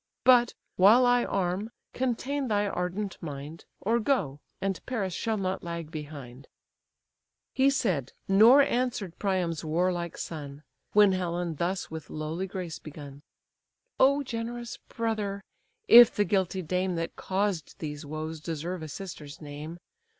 But while I arm, contain thy ardent mind; Or go, and Paris shall not lag behind." HECTOR CHIDING PARIS He said, nor answer'd Priam's warlike son; When Helen thus with lowly grace begun: "Oh, generous brother! (if the guilty dame That caused these woes deserve a sister's name!)